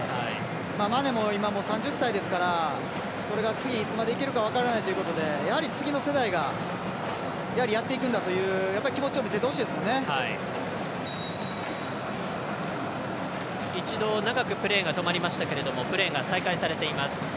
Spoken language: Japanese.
マネも今３０歳ですからそれが次、いつまでいけるか分からないということでやはり、次の世代がやっていくんだという一度、長くプレーが止まりましたけどもプレーが再開されています。